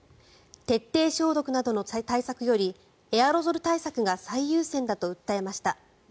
徹底消毒などの対策よりエアロゾル対策が最優先だと訴えました。